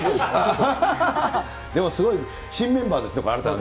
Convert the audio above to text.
でもすごい、新メンバーですね、新たな。